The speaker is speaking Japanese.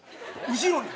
後ろに。